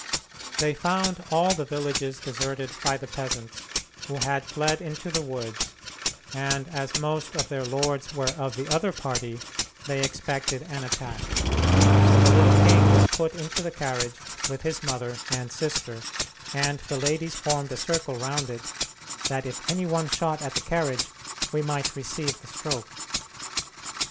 They found all the villages deserted by the peasants, who had fled into the woods, and as most of their lords were of the other party, they expected an attack, so the little king was put into the carriage with his mother and sister, and the ladies formed a circle round it "that if any one shot at the carriage we might receive the stroke."